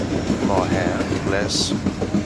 More hair, less...